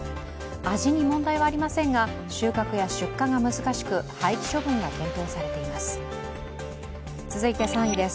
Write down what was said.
味に問題はありませんが、収穫や出荷が難しく廃棄処分が検討されています。